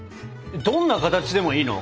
どんな形でもいいの？